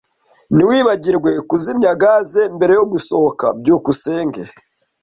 Ntiwibagirwe kuzimya gaze mbere yo gusohoka. byukusenge